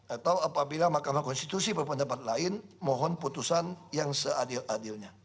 atau apabila mahkamah konstitusi berpendapat lain mohon putusan yang seadil adilnya